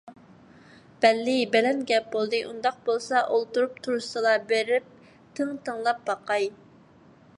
بەللى! بەلەن گەپ بولدى! ئۇنداق بولسا ئولتۇرۇپ تۇرۇشسىلا، بېرىپ تىڭ تىڭلاپ باقاي.